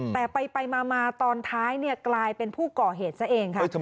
แต่ไปมาตอนท้ายกลายเป็นผู้ก่อเหตุซะเองค่ะ